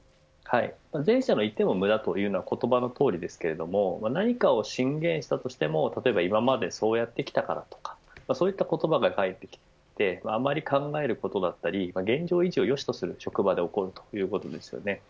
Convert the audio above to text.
前者の言っても無駄というのは言葉のとおりですけれど何かを進言したとしても今までそうやってきたからとかそういった言葉が返ってきてあんまり考えることだったり現状維持をよしとする職場で起こるということです。